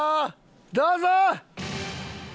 どうぞ！